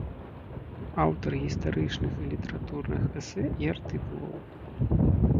Аўтар гістарычных і літаратурных эсэ і артыкулаў.